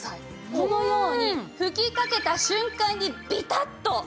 このように吹きかけた瞬間にビタッと張りつくんですね。